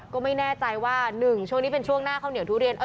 ก็ไม่แน่ใจว่า๑ช่วงนี้เป็นช่วงหน้าข้าวเหนียวทุเรียน